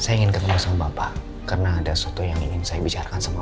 saya ingin ketemu sama bapak karena ada sesuatu yang ingin saya bicarakan sama